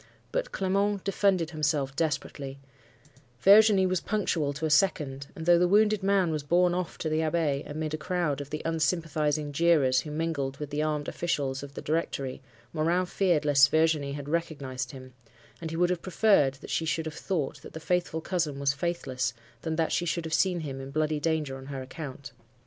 But Clement defended himself desperately: Virginie was punctual to a second; and, though the wounded man was borne off to the Abbaye, amid a crowd of the unsympathising jeerers who mingled with the armed officials of the Directory, Morin feared lest Virginie had recognized him; and he would have preferred that she should have thought that the 'faithful cousin' was faithless, than that she should have seen him in bloody danger on her account.